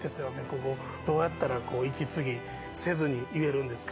ここどうやったら息継ぎせずに言えるんですかね